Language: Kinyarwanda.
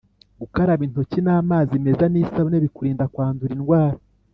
Gukaraba intoki n’amazi meza n’isabune bikurinda kwandura indwara